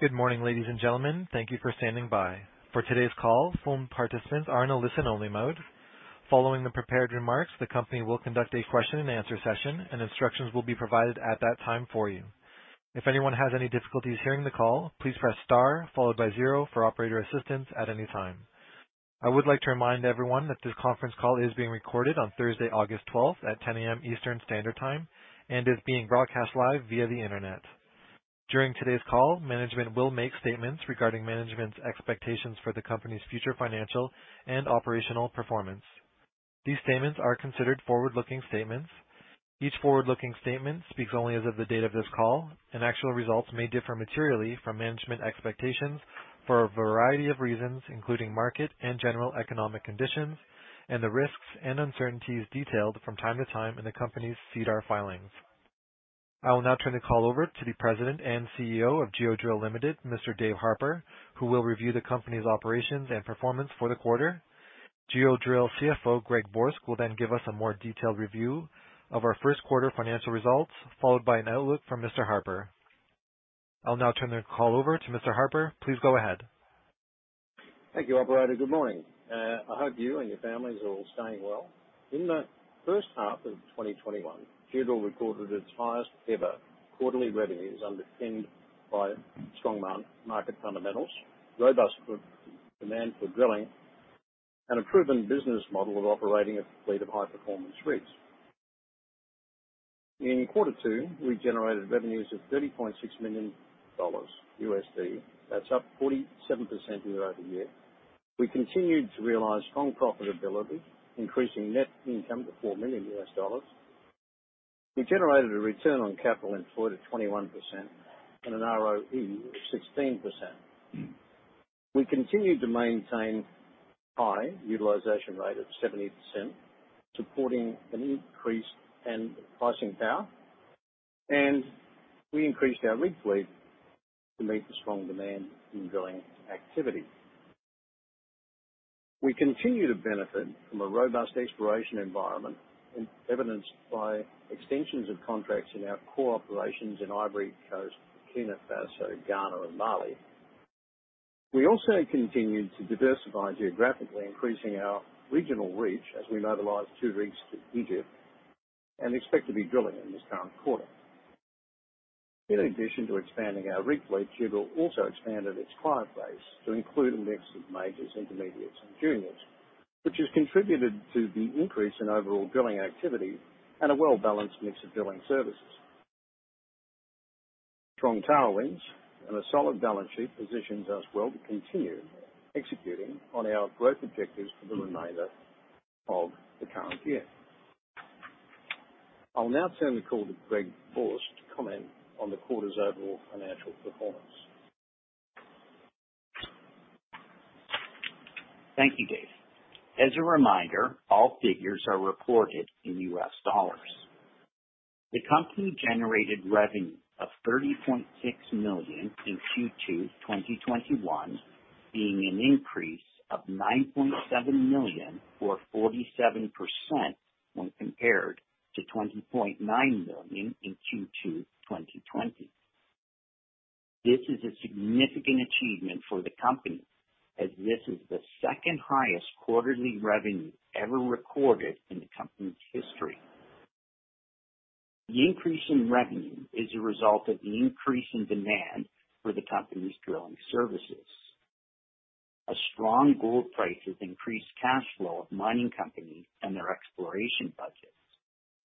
Good morning, ladies and gentlemen. Thank you for standing by. For today's call, phone participants are in a listen only mode. Following the prepared remarks, the company will conduct a question and answer session, and instructions will be provided at that time for you. If anyone has any difficulties hearing the call, please press star followed by zero for operator assistance at any time. I would like to remind everyone that this conference call is being recorded on Thursday, August 12th at 10 A.M. Eastern Standard Time and is being broadcast live via the Internet. During today's call, management will make statements regarding management's expectations for the company's future financial and operational performance. These statements are considered forward-looking statements. Each forward-looking statement speaks only as of the date of this call, and actual results may differ materially from management expectations for a variety of reasons, including market and general economic conditions and the risks and uncertainties detailed from time to time in the company's SEDAR filings. I will now turn the call over to the President and CEO of Geodrill Limited, Mr. David Harper, who will review the company's operations and performance for the quarter. Geodrill CFO, Gregory Borsk, will then give us a more detailed review of our first quarter financial results, followed by an outlook from Mr. Harper. I'll now turn the call over to Mr. Harper. Please go ahead. Thank you, operator. Good morning. I hope you and your families are all staying well. In the first half of 2021, Geodrill recorded its highest ever quarterly revenues underpinned by strong market fundamentals, robust demand for drilling, and a proven business model of operating a fleet of high performance rigs. In Q2, we generated revenues of $30.6 million USD. That's up 47% year-over-year. We continued to realize strong profitability, increasing net income to $4 million USD. We generated a return on capital employed of 21% and an ROE of 16%. We continued to maintain high utilization rate of 70%, supporting an increase in pricing power, and we increased our rig fleet to meet the strong demand in drilling activity. We continue to benefit from a robust exploration environment evidenced by extensions of contracts in our core operations in Ivory Coast, Burkina Faso, Ghana, and Mali. We also continued to diversify geographically, increasing our regional reach as we mobilize two rigs to Egypt and expect to be drilling in this current quarter. In addition to expanding our rig fleet, Geodrill also expanded its client base to include a mix of majors, intermediates, and juniors, which has contributed to the increase in overall drilling activity and a well-balanced mix of drilling services. Strong tailwinds and a solid balance sheet positions us well to continue executing on our growth objectives for the remainder of the current year. I'll now turn the call to Gregory Borsk to comment on the quarter's overall financial performance. Thank you, Dave. As a reminder, all figures are reported in U.S. dollars. The company generated revenue of $36.6 million in Q2 2021, being an increase of $9.7 million or 47% when compared to $20.9 million in Q2 2020. This is a significant achievement for the company as this is the second highest quarterly revenue ever recorded in the company's history. The increase in revenue is a result of the increase in demand for the company's drilling services. A strong gold price has increased cash flow of mining companies and their exploration budgets,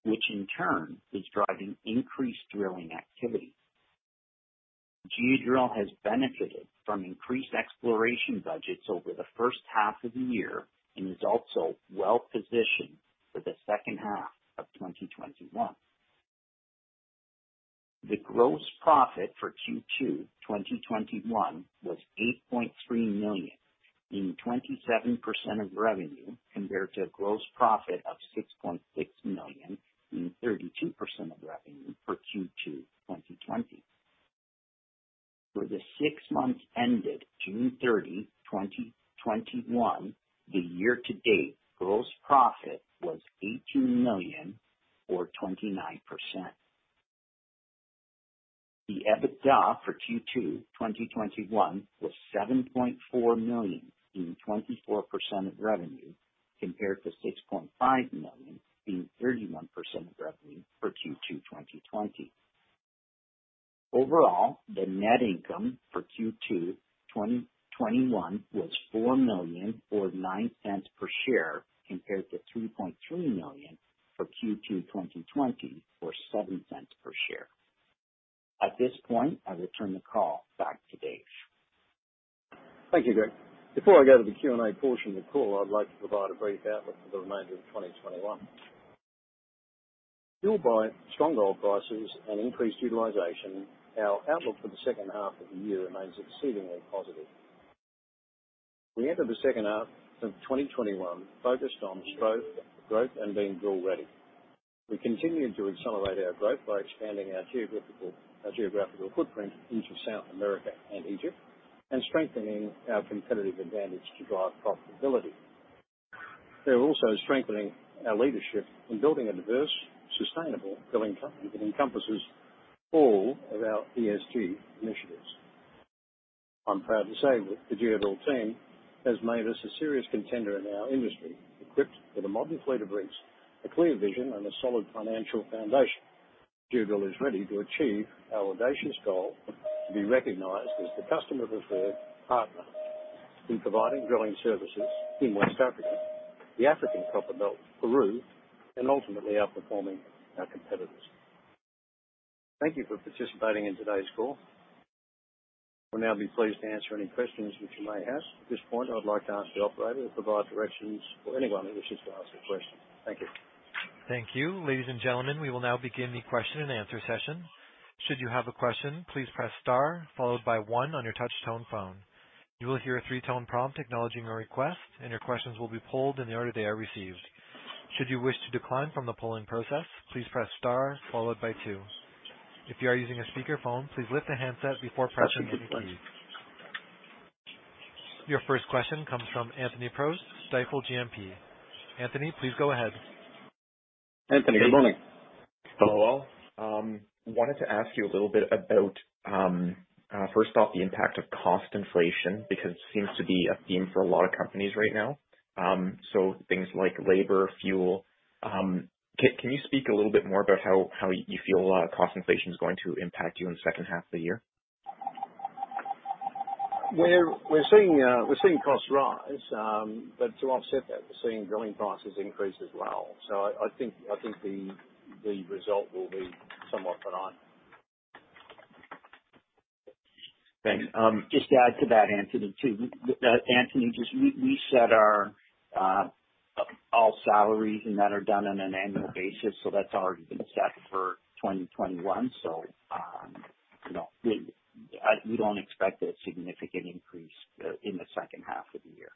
which in turn is driving increased drilling activity. Geodrill has benefited from increased exploration budgets over the first half of the year and is also well-positioned for the second half of 2021. The gross profit for Q2 2021 was $8.3 million, being 27% of revenue, compared to a gross profit of $6.6 million, being 32% of revenue for Q2 2020. For the six months ended June 30, 2021, the year to date gross profit was $18 million or 29%. The EBITDA for Q2 2021 was $7.4 million, being 24% of revenue, compared to $6.5 million, being 31% of revenue for Q2 2020. Overall, the net income for Q2 2021 was $4 million or $0.09 per share, compared to $3.3 million for Q2 2020 or $0.07 per share. At this point, I will turn the call back to Dave. Thank you, Greg. Before I go to the Q&A portion of the call, I'd like to provide a brief outlook for the remainder of 2021. Fueled by strong gold prices and increased utilization, our outlook for the second half of the year remains exceedingly positive. We enter the second half of 2021 focused on growth and being drill ready. We continue to accelerate our growth by expanding our geographical footprint into South America and Egypt and strengthening our competitive advantage to drive profitability. They're also strengthening our leadership in building a diverse, sustainable drilling company that encompasses all of our ESG initiatives. I'm proud to say that the Geodrill team has made us a serious contender in our industry, equipped with a modern fleet of rigs, a clear vision, and a solid financial foundation. Geodrill is ready to achieve our audacious goal to be recognized as the customer-preferred partner in providing drilling services in West Africa, the African Copperbelt, Peru, and ultimately, outperforming our competitors. Thank you for participating in today's call. We'll now be pleased to answer any questions which you may have. At this point, I would like to ask the operator to provide directions for anyone who wishes to ask a question. Thank you. Your first question comes from Anthony Prost, Stifel GMP. Anthony, please go ahead. Anthony, good morning. Hello all. Wanted to ask you a little bit about, first off, the impact of cost inflation, because it seems to be a theme for a lot of companies right now. Things like labor, fuel. Can you speak a little bit more about how you feel cost inflation is going to impact you in the second half of the year? We're seeing costs rise. To offset that, we're seeing drilling prices increase as well. I think the result will be somewhat benign. Thanks. Just to add to that, Anthony, too. We set all salaries, and that are done on an annual basis, so that's already been set for 2021. We don't expect a significant increase in the second half of the year.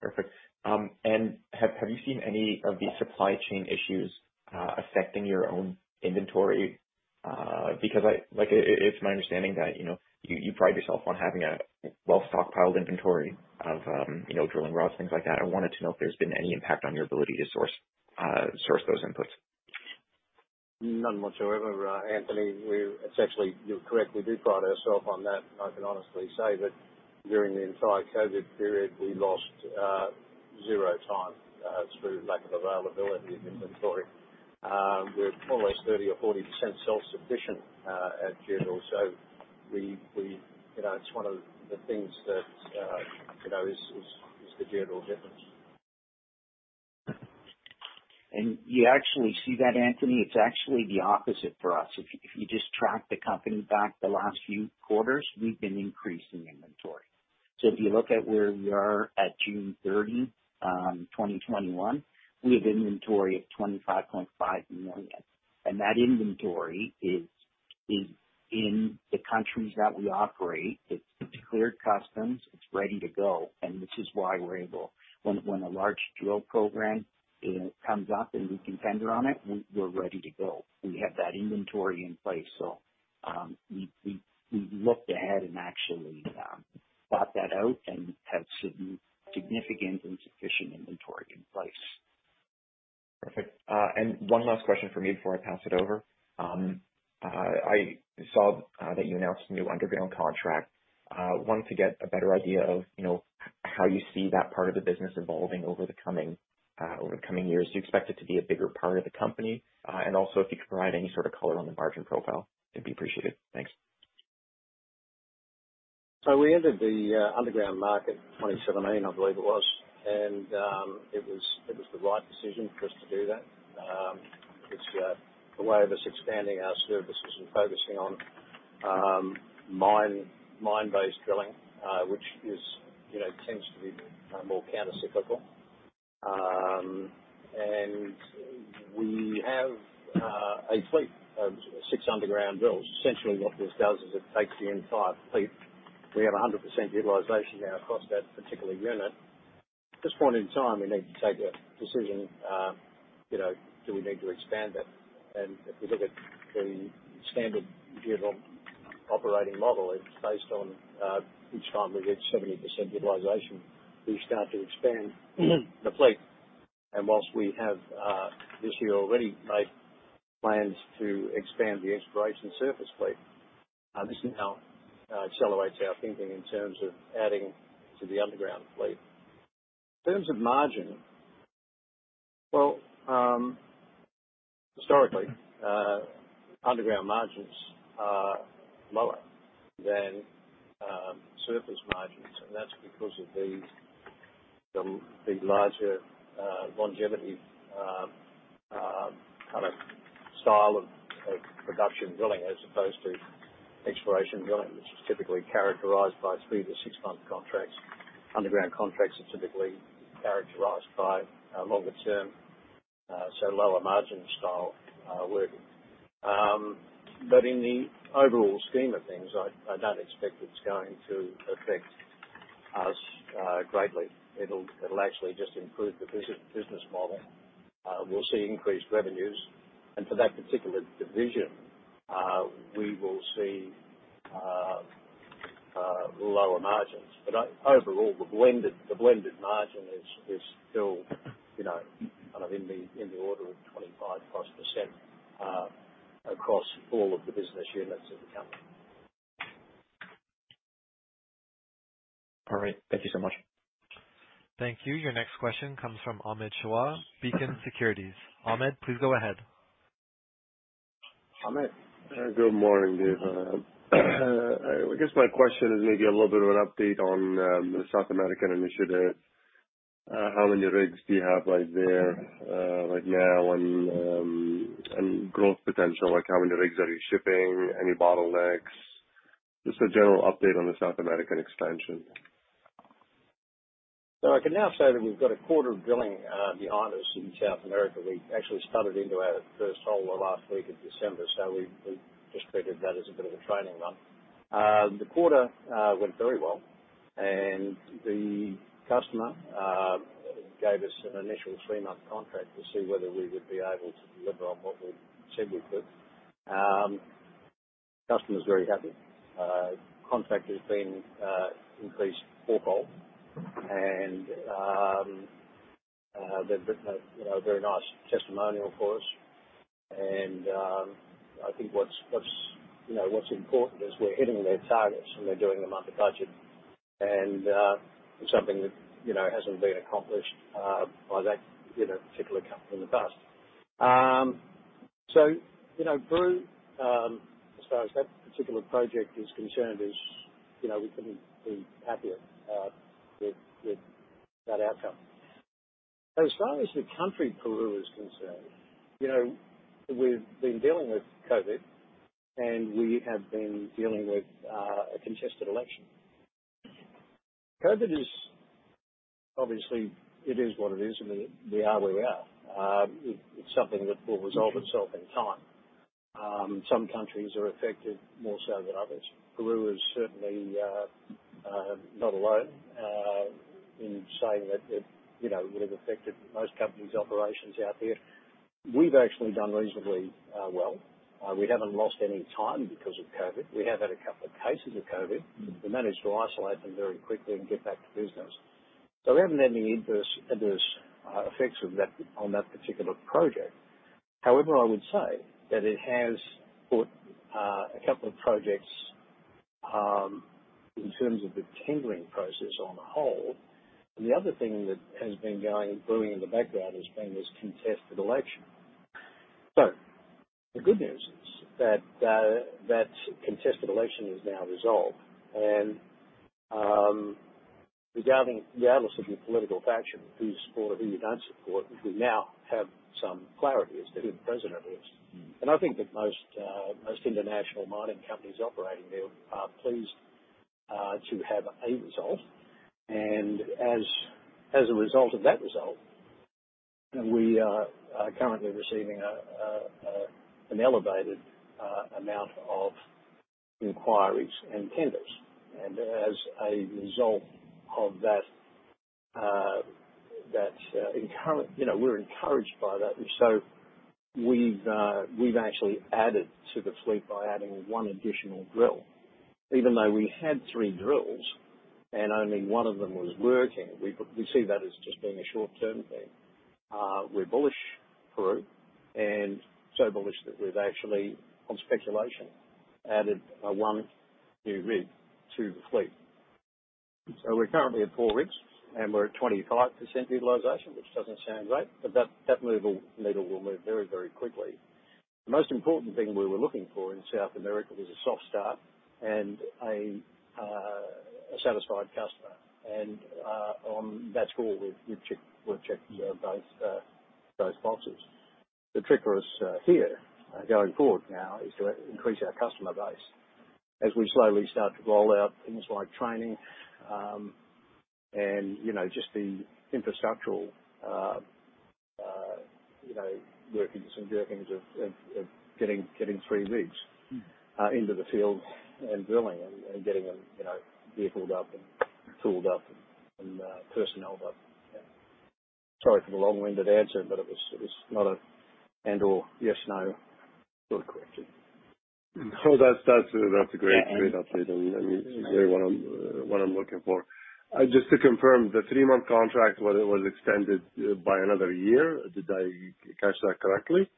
Perfect. Have you seen any of the supply chain issues affecting your own inventory? Because it's my understanding that you pride yourself on having a well stockpiled inventory of drilling rods, things like that. I wanted to know if there's been any impact on your ability to source those inputs. None whatsoever, Anthony. You're correct, we do pride ourselves on that, and I can honestly say that during the entire COVID period, we lost zero time through lack of availability of inventory. We're almost 30% or 40% self-sufficient at Geodrill. It's one of the things that is the Geodrill difference. You actually see that, Anthony. It's actually the opposite for us. If you just track the company back the last few quarters, we've been increasing inventory. If you look at where we are at June 30, 2021, we have inventory of $25.5 million. That inventory is in the countries that we operate. It's cleared customs, it's ready to go, which is why we're able, when a large drill program comes up and we can tender on it, we're ready to go. We have that inventory in place. We've looked ahead and actually thought that out and have significant and sufficient inventory in place. Perfect. One last question from me before I pass it over. I saw that you announced a new underground contract. I wanted to get a better idea of how you see that part of the business evolving over the coming years. Do you expect it to be a bigger part of the company? Also, if you could provide any sort of color on the margin profile, it'd be appreciated. Thanks. We entered the underground market in 2017, I believe it was. It was the right decision for us to do that. It's a way of us expanding our services and focusing on mine-based drilling, which tends to be more counter-cyclical. We have a fleet of six underground drills. Essentially what this does is it takes the entire fleet. We have 100% utilization now across that particular unit. At this point in time, we need to take a decision, do we need to expand that? If we look at the standard Geodrill operating model, it's based on each time we get 70% utilization, we start to expand the fleet. Whilst we have this year already made plans to expand the exploration surface fleet, this now accelerates our thinking in terms of adding to the underground fleet. In terms of margin, well, historically, underground margins are lower than surface margins, and that's because of the larger longevity kind of style of production drilling as opposed to exploration drilling, which is typically characterized by three to six-month contracts. Underground contracts are typically characterized by longer term, so lower margin style working. In the overall scheme of things, I don't expect it's going to affect us greatly. It'll actually just improve model. We'll see increased revenues, and for that particular division, we will see lower margins. Overall, the blended margin is still in the order of 25%+ across all of the business units of the company. All right. Thank you so much. Thank you. Your next question comes from Ahmed Shaath, Beacon Securities. Ahmad, please go ahead. Ahmed. Good morning, David Harper. I guess my question is maybe a little bit of an update on the South American initiative. How many rigs do you have right there, right now? Growth potential, how many rigs are you shipping? Any bottlenecks? Just a general update on the South American expansion. I can now say that we've got a quarter of drilling behind us in South America. We actually started into our first hole the last week of December, so we've just treated that as a bit of a training run. The quarter went very well, and the customer gave us an initial three month contract to see whether we would be able to deliver on what we said we could. Customer's very happy. Contract has been increased fourfold, and they've written a very nice testimonial for us. I think what's important is we're hitting their targets and we're doing them under budget. It's something that hasn't been accomplished by that particular company in the past. Peru, as far as that particular project is concerned, is we couldn't be happier with that outcome. As far as the country Peru is concerned, we've been dealing with COVID and we have been dealing with a contested election. COVID is obviously, it is what it is, and we are where we are. It's something that will resolve itself in time. Some countries are affected more so than others. Peru is certainly not alone in saying that it would've affected most companies' operations out there. We've actually done reasonably well. We haven't lost any time because of COVID. We have had a couple of cases of COVID. We managed to isolate them very quickly and get back to business. We haven't had any adverse effects on that particular project. However, I would say that it has put a couple of projects, in terms of the tendering process, on hold. The other thing that has been going and brewing in the background has been this contested election. The good news is that contested election is now resolved. Regardless of your political faction, who you support or who you don't support, we now have some clarity as to who the president is. I think that most international mining companies operating there are pleased to have a result. As a result of that result, we are currently receiving an elevated amount of inquiries and tenders. As a result of that, we're encouraged by that. We've actually added to the fleet by adding one additional drill. Even though we had three drills and only one of them was working, we see that as just being a short-term thing. We're bullish, Peru, and so bullish that we've actually, on speculation, added one new rig to the fleet. We're currently at four rigs, and we're at 25% utilization, which doesn't sound great, but that needle will move very quickly. The most important thing we were looking for in South America was a soft start and a satisfied customer. On that score, we've checked both those boxes. The trick for us here, going forward now, is to increase our customer base as we slowly start to roll out things like training, and just the infrastructural workings of getting three rigs into the field and drilling and getting them vehicled up and tooled up and personnelled up. Sorry for the long-winded answer, but it was not a and/or yes/no sort of question. No, that's a great update and really what I'm looking for. Just to confirm, the three-month contract was extended by another year? Did I catch that correctly?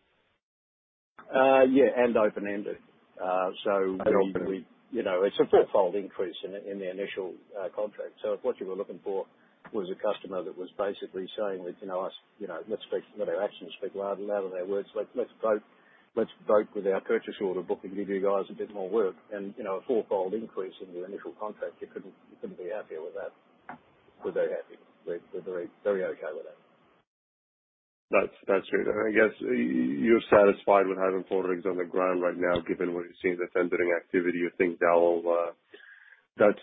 Yeah, open-ended. Open-ended. It's a fourfold increase in the initial contract. If what you were looking for was a customer that was basically saying, Let our actions speak louder than our words. Let's vote with our purchase order book and give you guys a bit more work, and a fourfold increase in your initial contract, you couldn't be happier with that. We're very happy. We're very okay with that. That's great. I guess you're satisfied with having four rigs on the ground right now, given what you're seeing, the tendering activity. You think that's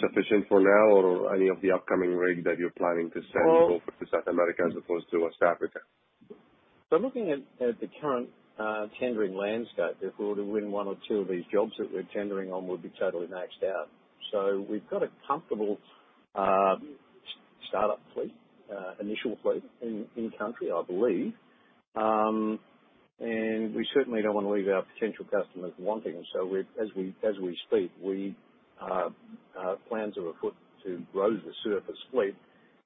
sufficient for now? Or any of the upcoming rigs that you're planning to send over to South America as opposed to West Africa? Looking at the current tendering landscape, if we were to win one or two of these jobs that we're tendering on, we'll be totally maxed out. We've got a comfortable startup fleet, initial fleet in country, I believe. We certainly don't want to leave our potential customers wanting. As we speak, plans are afoot to grow the surface fleet,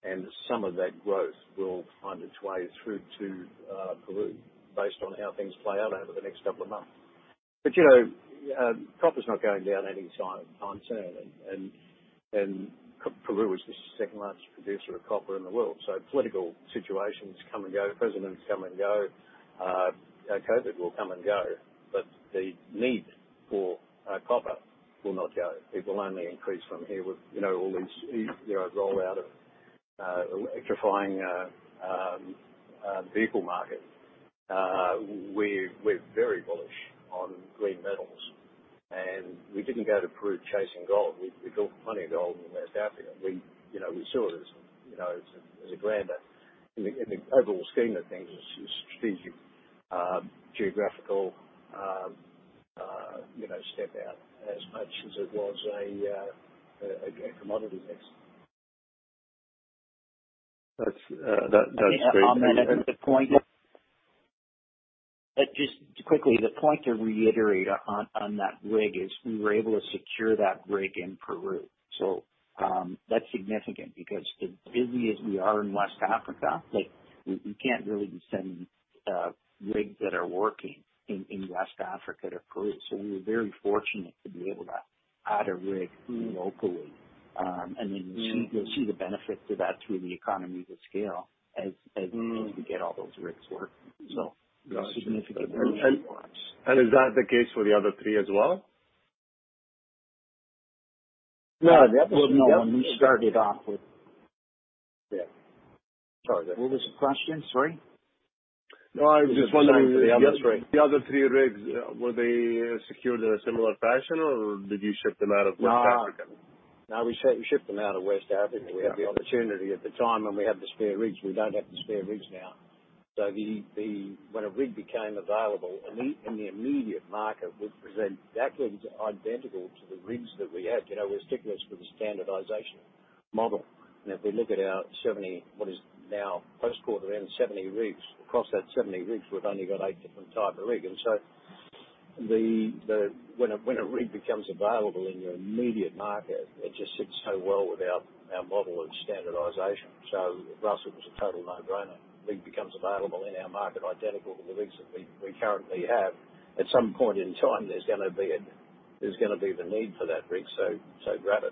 and some of that growth will find its way through to Peru based on how things play out over the next couple of months. Copper's not going down any time soon. Peru is the second-largest producer of copper in the world. Political situations come and go, presidents come and go, COVID will come and go, but the need for copper will not go. It will only increase from here with all these rollout of electrifying vehicle markets. We're very bullish on green metals, and we didn't go to Peru chasing gold. We built plenty of gold in West Africa. We saw it as a grander in the overall scheme of things, a strategic geographical step out as much as it was a commodity base. That's great. Just quickly, the point to reiterate on that rig is we were able to secure that rig in Peru. That's significant because as busy as we are in West Africa, we can't really be sending rigs that are working in West Africa to Peru. We were very fortunate to be able to add a rig locally, and then you'll see the benefit to that through the economies of scale as we get all those rigs working. A significant win for us. Is that the case for the other three as well? No, that was the one we started off with. Yeah. Sorry, what was the question? Sorry. No, I was just wondering. It's the same for the other three. The other three rigs, were they secured in a similar fashion, or did you ship them out of West Africa? No, we shipped them out of West Africa. We had the opportunity at the time, and we had the spare rigs. We don't have the spare rigs now. When a rig became available in the immediate market, which was exactly identical to the rigs that we have. We're sticklers for the standardization model. If we look at our 70, what is now post-quarter end, 70 rigs. Across that 70 rigs, we've only got eight different type of rig. When a rig becomes available in your immediate market, it just sits so well with our model of standardization. For us, it was a total no-brainer. Rig becomes available in our market identical to the rigs that we currently have. At some point in time, there's gonna be the need for that rig, so grab it.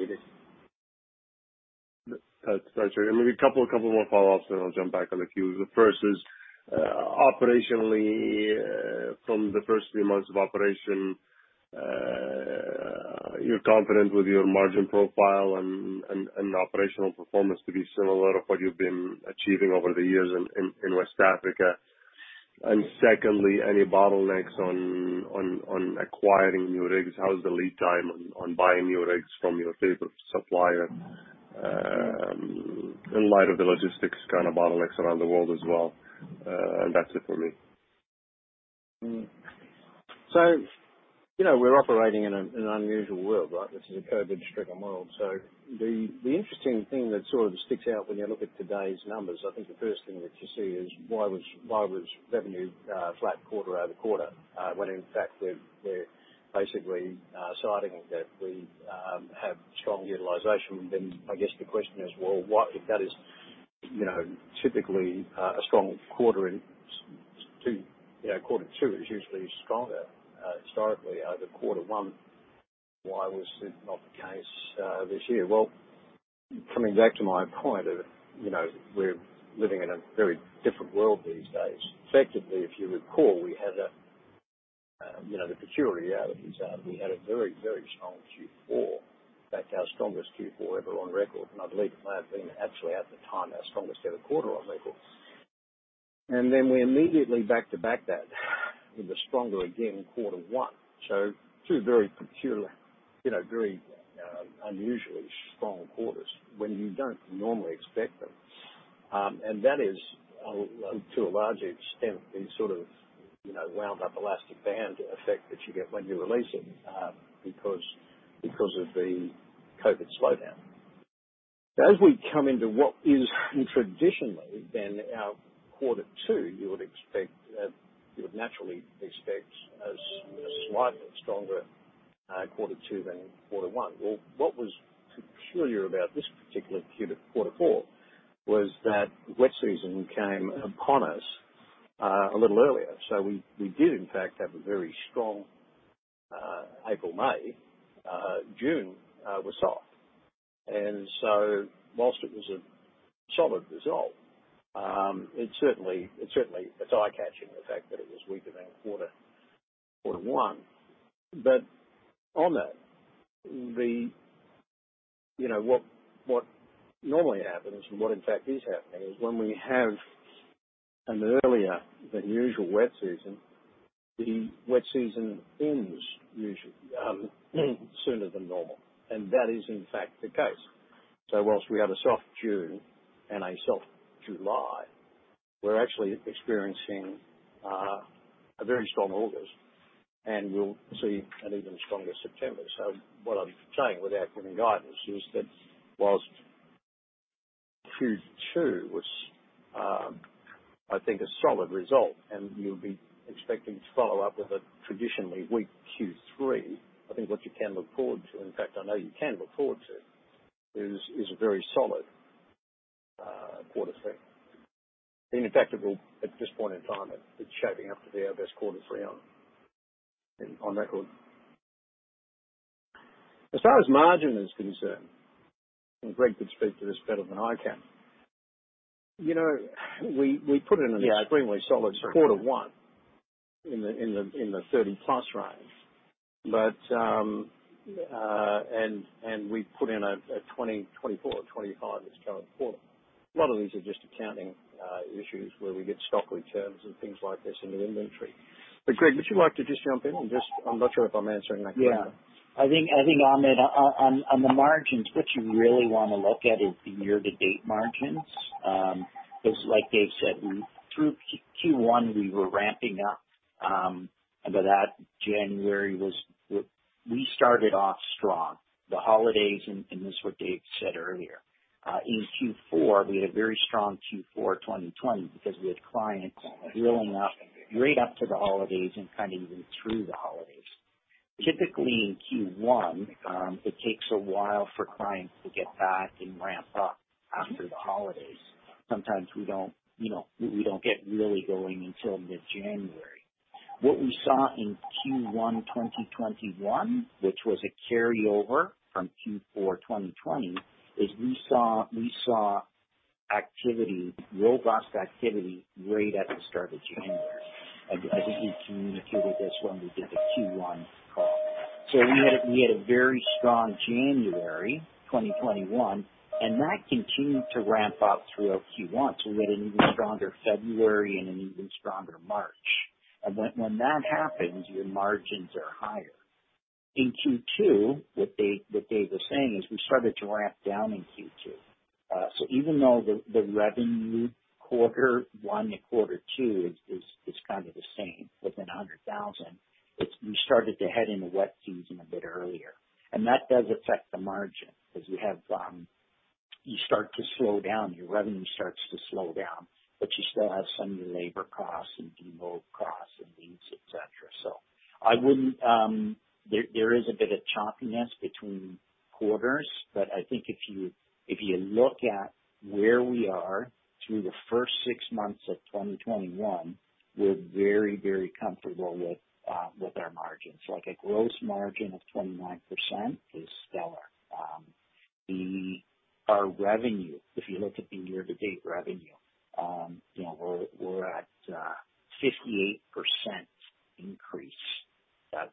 We did. That's right. Maybe a couple of more follow-ups, then I'll jump back on the queue. The first is, operationally, from the first three months of operation, you're confident with your margin profile and operational performance to be similar of what you've been achieving over the years in West Africa. Secondly, any bottlenecks on acquiring new rigs? How is the lead time on buying new rigs from your favorite supplier, in light of the logistics kind of bottlenecks around the world as well? That's it for me. We're operating in an unusual world, right? This is a COVID-stricken world. The interesting thing that sort of sticks out when you look at today's numbers, I think the first thing that you see is why was revenue flat quarter-over-quarter, when in fact we're basically citing that we have strong utilization. I guess the question is, well, if that is typically a strong quarter and Q2 is usually stronger historically over Q1, why was this not the case this year? Coming back to my point of we're living in a very different world these days. Effectively, if you recall, we had the peculiarity of is we had a very strong Q4. In fact, our strongest Q4 ever on record. I believe it may have been actually, at the time, our strongest ever quarter on record. We immediately back to back that with a stronger again quarter one. Two very peculiar, very unusually strong quarters when you don't normally expect them. That is, to a large extent, the sort of wound up elastic band effect that you get when you release it because of the COVID slowdown. As we come into what is traditionally been our quarter two, you would naturally expect a slightly stronger quarter two than quarter one. What was peculiar about this particular quarter four was that wet season came upon us a little earlier. We did in fact have a very strong April, May. June was soft. Whilst it was a solid result, it certainly is eye-catching, the fact that it was weaker than quarter one. On that, what normally happens and what in fact is happening is when we have an earlier than usual wet season. The wet season ends sooner than normal, and that is in fact the case. Whilst we have a soft June and a soft July, we're actually experiencing a very strong August, and we'll see an even stronger September. What I'm saying, without giving guidance, is that whilst Q2 was, I think, a solid result, and you'll be expecting to follow up with a traditionally weak Q3, I think what you can look forward to, in fact, I know you can look forward to, is a very solid quarter three. In fact, at this point in time, it's shaping up to be our best quarter three on record. As far as margin is concerned, and Greg could speak to this better than I can, we put in an extremely solid quarter one in the 30-plus range. We've put in a 24 or 25 this current quarter. A lot of these are just accounting issues where we get stock returns and things like this in the inventory. Greg, would you like to just jump in? I'm not sure if I'm answering that correctly. I think, Ahmad, on the margins, what you really want to look at is the year-to-date margins. Like Dave said, through Q1, we were ramping up. By that, January, we started off strong. The holidays, this is what Dave said earlier. In Q4, we had a very strong Q4 2020 because we had clients drilling up right up to the holidays and kind of even through the holidays. Typically, in Q1, it takes a while for clients to get back and ramp up after the holidays. Sometimes we don't get really going until mid-January. What we saw in Q1 2021, which was a carryover from Q4 2020, is we saw robust activity right at the start of January. I think we communicated this when we did the Q1 call. We had a very strong January 2021, and that continued to ramp up throughout Q1. We had an even stronger February and an even stronger March. When that happens, your margins are higher. In Q2, what Dave was saying is we started to ramp down in Q2. Even though the revenue Q1 to Q2 is kind of the same, within $100,000, we started to head into wet season a bit earlier. That does affect the margin, because you start to slow down, your revenue starts to slow down, but you still have some labor costs and demob costs and leads, et cetera. There is a bit of choppiness between quarters, but I think if you look at where we are through the first six months of 2021, we're very, very comfortable with our margins. Like a gross margin of 29% is stellar. Our revenue, if you look at the year-to-date revenue, we're at 58% increase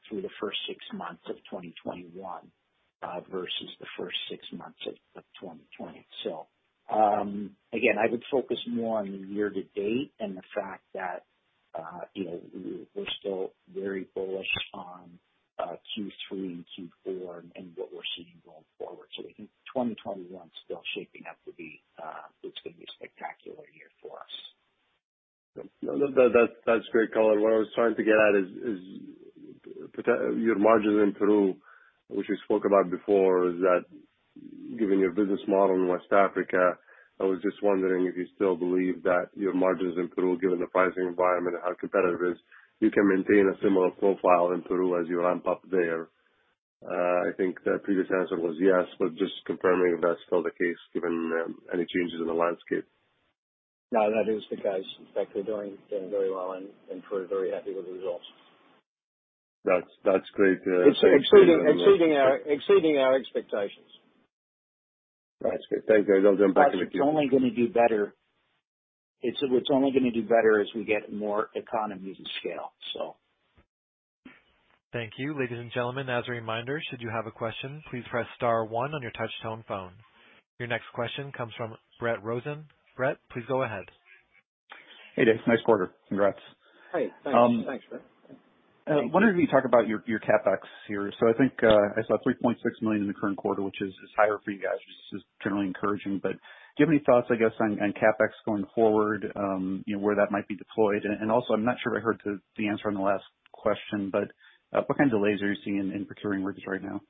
through the first 6 months of 2021 versus the first 6 months of 2020. Again, I would focus more on the year to date and the fact that we're still very bullish on Q3 and Q4 and what we're seeing going forward. I think 2021 is still going to be a spectacular year for us. That's great color. What I was trying to get at is your margin in Peru, which we spoke about before, is that given your business model in West Africa, I was just wondering if you still believe that your margins in Peru, given the pricing environment and how competitive it is, you can maintain a similar profile in Peru as you ramp up there? I think the previous answer was yes, but just confirming if that's still the case, given any changes in the landscape. That is the case. In fact, we're doing very well and we're very happy with the results. That's great. Exceeding our expectations. That's great. Thank you. It's only going to do better as we get more economies of scale. Thank you. Ladies and gentlemen, as a reminder, should you have a question, please press star one on your touch-tone phone. Your next question comes from Brett Rosen. Brett, please go ahead. Hey, Dave. Nice quarter. Congrats. Hey, thanks. Thanks, Brett. Wondering if you could talk about your CapEx here. I think I saw $3.6 million in the current quarter, which is higher for you guys, which is generally encouraging. Do you have any thoughts, I guess, on CapEx going forward, where that might be deployed? I'm not sure if I heard the answer on the last question, but what kind of delays are you seeing in procuring rigs right now?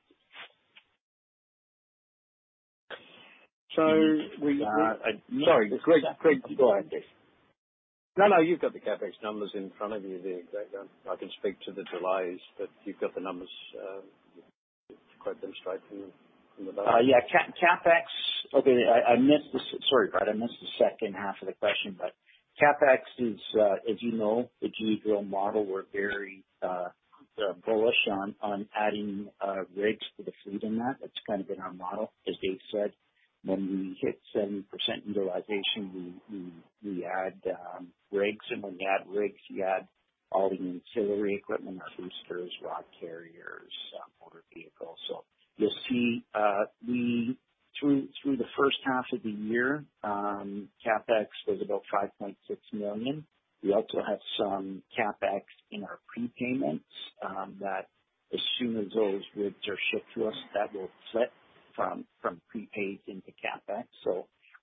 So we- Sorry, Greg, go ahead. No, you've got the CapEx numbers in front of you there. I can speak to the delays, but you've got the numbers. You can quote them straight from the. Yeah. CapEx. Okay, sorry, Brett, I missed the second half of the question. CapEx is, as you know, the Geodrill model, we're very bullish on adding rigs to the fleet in that. That's kind of been our model. As Dave said, when we hit 70% utilization, we add rigs, and when you add rigs, you add all the ancillary equipment, our boosters, rod carriers- vehicle. You'll see through the first half of the year, CapEx was about $5.6 million. We also have some CapEx in our prepayments, that as soon as those rigs are shipped to us, that will flip from prepaid into CapEx.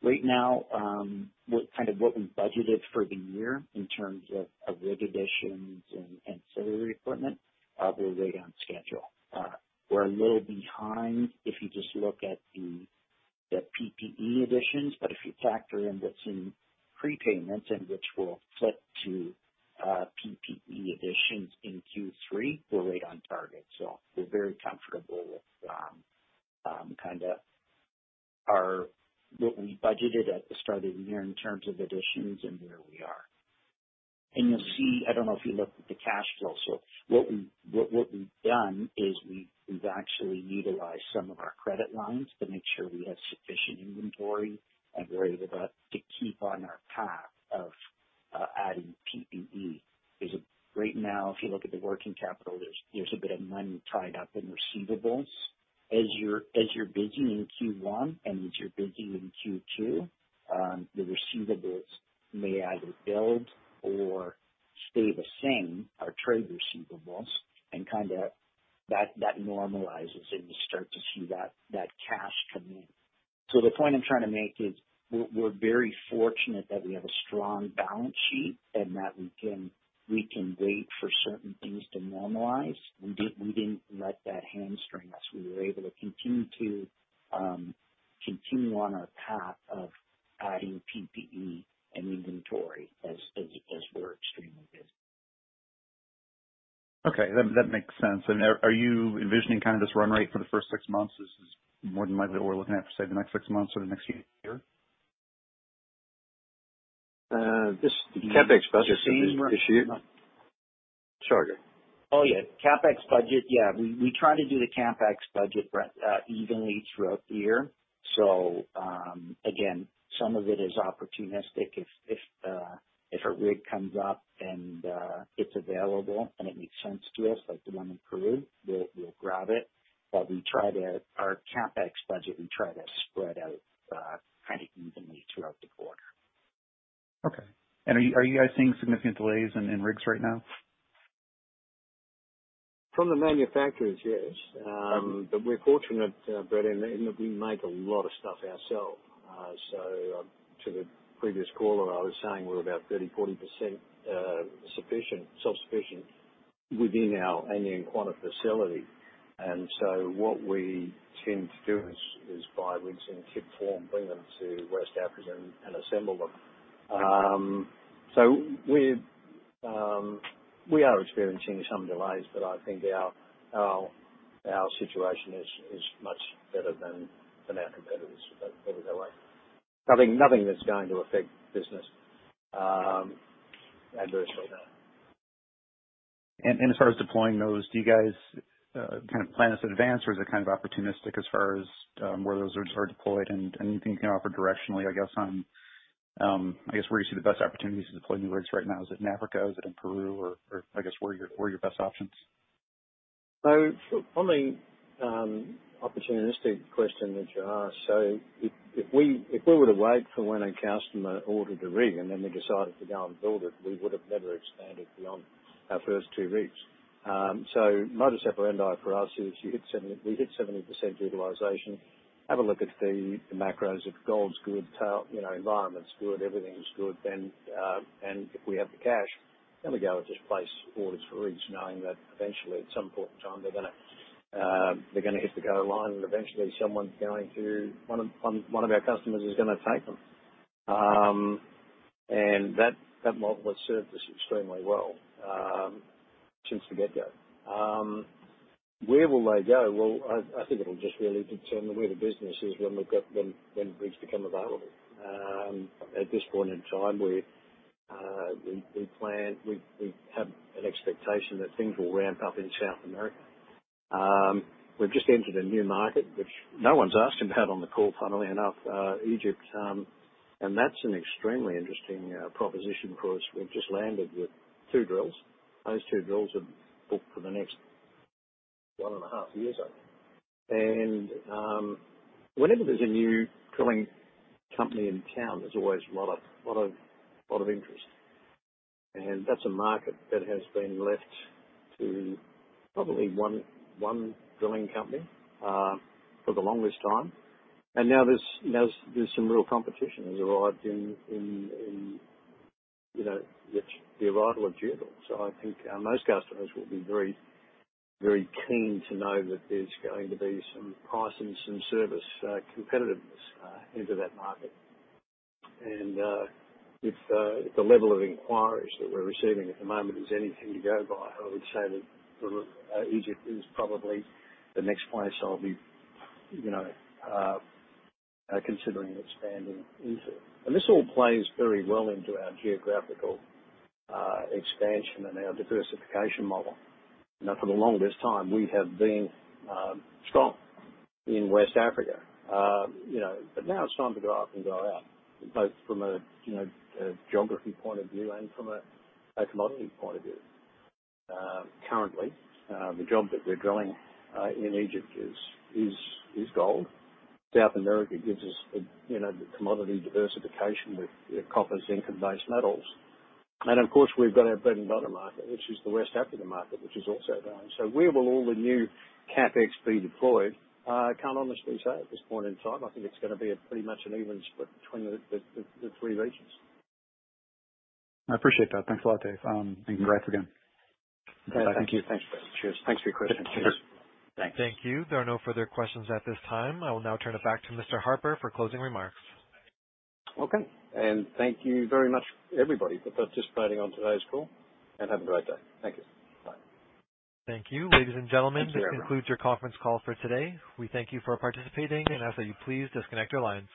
Right now, what we budgeted for the year in terms of rig additions and ancillary equipment, we're right on schedule. We're a little behind if you just look at the PPE additions, but if you factor in that some prepayments and which will flip to PPE additions in Q3, we're right on target. We're very comfortable with what we budgeted at the start of the year in terms of additions and where we are. You'll see, I don't know if you looked at the cash flow. What we've done is we've actually utilized some of our credit lines to make sure we have sufficient inventory, and we're able to keep on our path of adding PPE. Right now, if you look at the working capital, there's a bit of money tied up in receivables. As you're busy in Q1 and as you're busy in Q2, the receivables may either build or stay the same, our trade receivables, and that normalizes and you start to see that cash come in. The point I'm trying to make is, we're very fortunate that we have a strong balance sheet and that we can wait for certain things to normalize. We didn't let that hamstring us. We were able to continue on our path of adding PPE and inventory as we're extremely busy. Okay, that makes sense. Are you envisioning kind of this run rate for the first six months? Is this more than likely what we're looking at for, say, the next six months or the next year? Uh, this- CapEx budget for this year. Sorry. Oh, yeah. CapEx budget. Yeah. We try to do the CapEx budget evenly throughout the year. Again, some of it is opportunistic. If a rig comes up and it's available and it makes sense to us, like the one in Peru, we'll grab it. Our CapEx budget, we try to spread out evenly throughout the quarter. Okay. Are you guys seeing significant delays in rigs right now? From the manufacturers, yes. We're fortunate, Brendan, in that we make a lot of stuff ourselves. To the previous caller, I was saying we're about 30%, 40% self-sufficient within our Anwiankwanta facility. What we tend to do is buy rigs in kit form, bring them to West Africa and assemble them. We are experiencing some delays, but I think our situation is much better than our competitors, put it that way. Nothing that's going to affect business adversely, no. As far as deploying those, do you guys plan this in advance, or is it kind of opportunistic as far as where those are deployed? Anything you can offer directionally, I guess, on where you see the best opportunities to deploy new rigs right now. Is it in Africa? Is it in Peru? Or I guess, where are your best options? On the opportunistic question that you asked. If we were to wait for when a customer ordered a rig and then we decided to go and build it, we would have never expanded beyond our first two rigs. Modus operandi for us is we hit 70% utilization, have a look at the macros. If gold's good, environment's good, everything's good, and if we have the cash, then we go and just place orders for rigs knowing that eventually, at some point in time, they're gonna hit the go line and eventually one of our customers is gonna take them. That model has served us extremely well since the get-go. Where will they go? Well, I think it'll just really determine where the business is when rigs become available. At this point in time, we have an expectation that things will ramp up in South America. We've just entered a new market, which no one's asked about on the call, funnily enough, Egypt. That's an extremely interesting proposition for us. We've just landed with two drills. Those two drills are booked for the next one and a half years. Whenever there's a new drilling company in town, there's always a lot of interest. That's a market that has been left to probably one drilling company for the longest time. Now there's some real competition that has arrived in the arrival of Geodrill. I think most customers will be very keen to know that there's going to be some price and some service competitiveness into that market. If the level of inquiries that we're receiving at the moment is anything to go by, I would say that Egypt is probably the next place I'll be considering expanding into. This all plays very well into our geographical expansion and our diversification model. Now, for the longest time, we have been strong in West Africa. Now it's time to go up and go out, both from a geography point of view and from a commodity point of view. Currently, the job that we're drilling in Egypt is gold. South America gives us the commodity diversification with copper, zinc, and base metals. Of course, we've got our bread and butter market, which is the West Africa market, which is also growing. Where will all the new CapEx be deployed? I can't honestly say at this point in time. I think it's gonna be pretty much an even split between the three regions. I appreciate that. Thanks a lot, Dave. Congrats again. Okay. Thank you. Thanks, Brendan. Cheers. Thanks for your question. Cheers. Thanks. Thank you. There are no further questions at this time. I will now turn it back to Mr. Harper for closing remarks. Okay. Thank you very much, everybody, for participating on today's call, and have a great day. Thank you. Bye. Thank you. Ladies and gentlemen. Thank you, everyone this concludes your conference call for today. We thank you for participating and ask that you please disconnect your lines.